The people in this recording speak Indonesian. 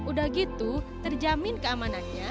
udah gitu terjamin keamanannya